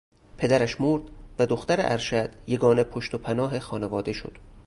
پدرش مرد و دختر ارشد یگانه پشت و پناه خانواده شد.